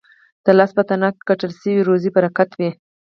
د لاس په تڼاکو ګټل سوې روزي برکتي وي.